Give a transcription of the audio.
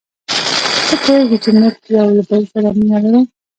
ته پوهیږې چي موږ یو له بل سره مینه لرو.